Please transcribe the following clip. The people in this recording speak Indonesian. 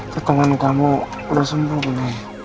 kekongan kamu udah sembuh ndien